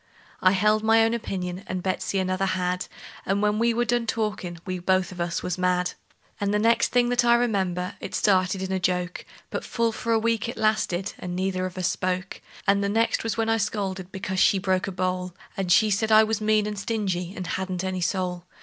I held my own opinion, and Betsey another had; And when we were done a talkin', we both of us was mad. And the next that I remember, it started in a joke; But full for a week it lasted, and neither of us spoke. And the next was when I scolded because she broke a bowl; And she said I was mean and stingy, and hadn't any soul.